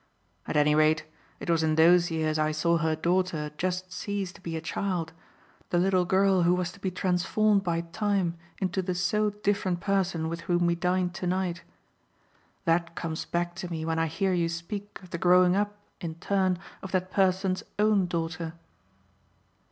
At any rate it was in those years I saw her daughter just cease to be a child the little girl who was to be transformed by time into the so different person with whom we dined to night. That comes back to me when I hear you speak of the growing up, in turn, of that person's own daughter."